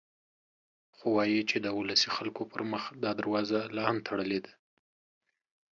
خو وايي چې د ولسي خلکو پر مخ دا دروازه لا هم تړلې ده.